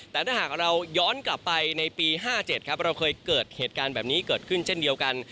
แต่ถ้าหากเราย้อนกลับไปในปี๕๗ครับเราเคยเกิดเหตุการณ์แบบนี้เกิดขึ้นเช่นเดียวกัน